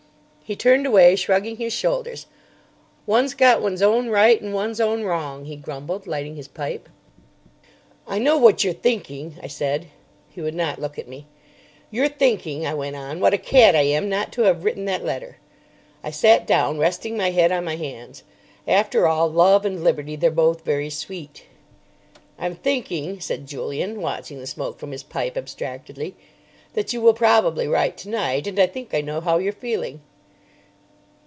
He turned away, shrugging his shoulders. "One's got one's own right and one's own wrong," he grumbled, lighting his pipe. "I know what you're thinking," I said. He would not look at me. "You're thinking," I went on, "what a cad I am not to have written that letter." I sat down resting my head on my hands. After all—love and liberty—they're both very sweet. "I'm thinking," said Julian, watching the smoke from his pipe abstractedly, "that you will probably write tonight; and I think I know how you're feeling."